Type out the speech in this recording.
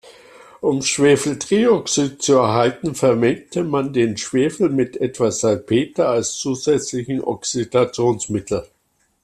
Um Schwefeltrioxid zu erhalten, vermengte man den Schwefel mit etwas Salpeter als zusätzlichem Oxidationsmittel.